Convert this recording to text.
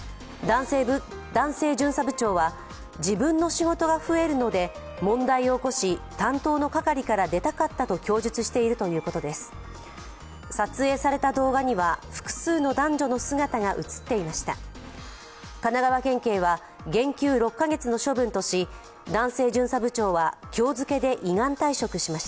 男性巡査部長は、自分の仕事が増えるので問題を起こし担当の係から出たかったと供述しているということです。